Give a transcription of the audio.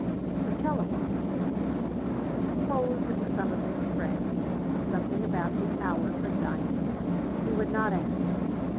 The telephone rang. He supposed it was some of his friends something about the hour for dining. He would not answer.